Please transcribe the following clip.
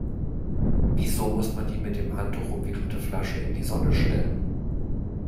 Wieso muss man die mit dem Handtuch umwickelte Flasche in die Sonne stellen?